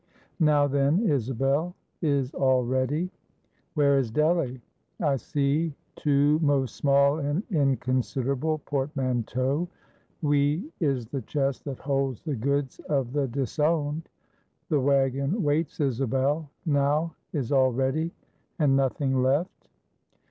"Now then, Isabel, is all ready? Where is Delly? I see two most small and inconsiderable portmanteaux. Wee is the chest that holds the goods of the disowned! The wagon waits, Isabel. Now is all ready? and nothing left?"